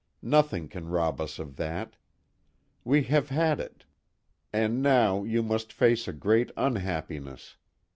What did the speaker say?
Nothing can rob us of that. We have had it. And now you must face a great unhappiness.